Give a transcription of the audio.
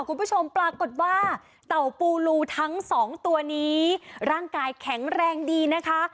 คุณผู้ชมปรากฏว่าเต่าปูรูทั้งสองตัวนี้ร่างกายแข็งแรงดีนะคะ